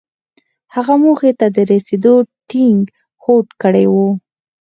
هغه موخې ته د رسېدو ټينګ هوډ کړی و.